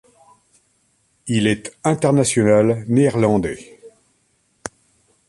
Il est international néerlandais.